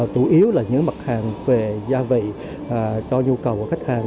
chủ yếu là những mặt hàng về gia vị cho nhu cầu của khách hàng